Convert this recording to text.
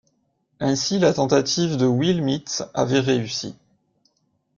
Ainsi la tentative de Will Mitz avait réussi.